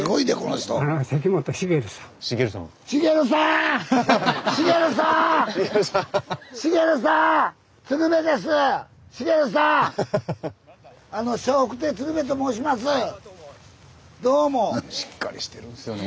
スタジオしっかりしてるんですよね